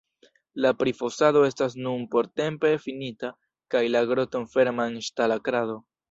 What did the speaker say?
La prifosado estas nun portempe finita, kaj la groton fermas ŝtala krado.